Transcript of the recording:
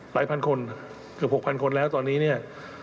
พันคนเกือบ๖๐๐คนแล้วตอนนี้เนี่ย